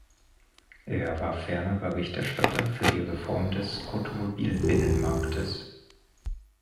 Er war ferner Berichterstatter für die Reform des Automobil-Binnenmarktes.